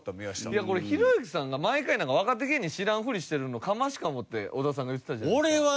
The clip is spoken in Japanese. いやこれひろゆきさんが毎回なんか若手芸人知らんふりしてるのかましかもって小田さんが言ってたじゃないですか。